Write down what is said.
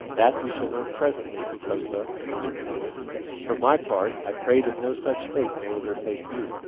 "That we shall learn presently, Hokosa," answered Owen; "for my part, I pray that no such fate may overtake you."